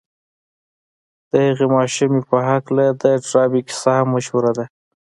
د هغې ماشومې په هکله د ډاربي کيسه هم مشهوره ده.